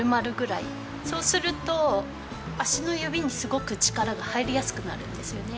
そうすると足の指にすごく力が入りやすくなるんですよね。